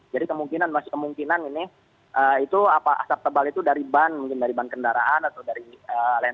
jadi kemungkinan ini asap tebal itu dari ban mungkin dari ban kendaraan atau dari lain